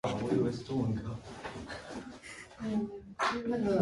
He competed on the Great Britain and Ireland team.